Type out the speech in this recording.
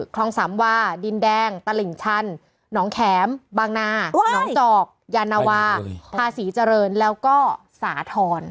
คลองสามวาดินแดงตลิ่งชันหนองแข็มบางนาหนองจอกยานวาภาษีเจริญแล้วก็สาธรณ์